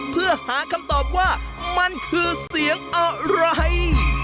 เพื่อหาคำตอบว่ามันคือเสียงอะไร